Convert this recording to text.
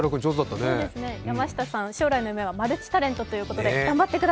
山下さん、将来の夢はマルチタレントだそうです。